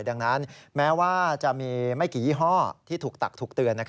ดังนั้นแม้ว่าจะมีไม่กี่ยี่ห้อที่ถูกตักถูกเตือน